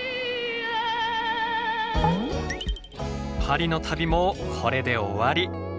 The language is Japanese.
パリの旅もこれで終わり。